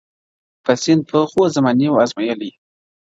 په سِن پوخ وو زمانې وو آزمېیلی-